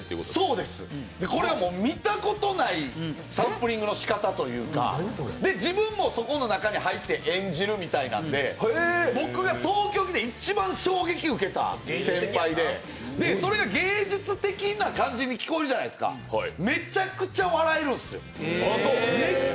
そうです、これはもう見たことないサンプリングのしかたというか、自分もそこの中に入って演じるみたいなんで僕が東京で一番衝撃を受けた先輩で、それが芸術的な感じに聞こえるじゃないですかめっちゃおもろいんです。